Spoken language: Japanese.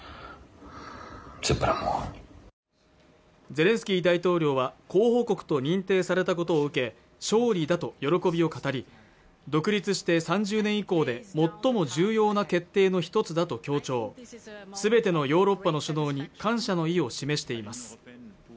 ゼレンスキー大統領は候補国と認定されたことを受け勝利だと喜びを語り独立して３０年以降で最も重要な決定の一つだと強調全てのヨーロッパの首脳に感謝の意を示しています